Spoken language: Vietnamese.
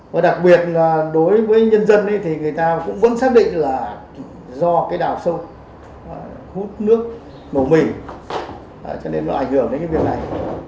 và đặc biệt là đối với nhân dân thì người ta cũng vẫn xác định là do cái đào sâu hút nước nổ mì cho nên nó ảnh hưởng đến cái việc này